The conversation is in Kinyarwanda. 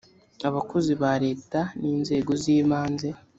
abakozi ba leta n inzego zibanze